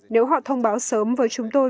nếu họ thông báo sớm với chúng tôi